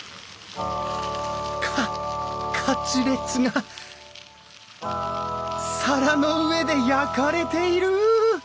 カカツレツが皿の上で焼かれている！